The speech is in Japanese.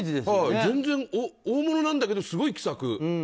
大物なんだけど、すごい気さく。